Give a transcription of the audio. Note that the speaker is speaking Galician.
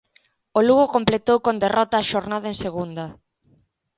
O Lugo completou con derrota a xornada en Segunda.